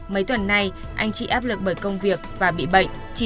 mấy tuần nay anh chịu áp lực bởi công việc và bị bệnh